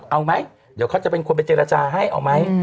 เอาไหมเดี๋ยวเขาจะเป็นคนไปเจรจาให้เอาไหม